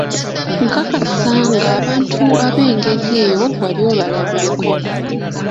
Nkakasa ng'abantu ab'engeri eyo wali obalabyeko.